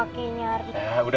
kenapa sih be